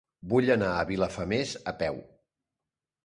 Vull anar a Vilafamés a peu.